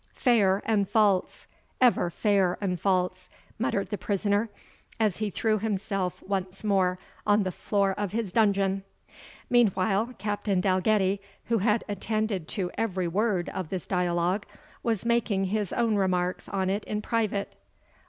"Fair and false ever fair and false," muttered the prisoner, as he threw himself once more on the floor of his dungeon. Meanwhile, Captain Dalgetty, who had attended to every word of this dialogue, was making his own remarks on it in private.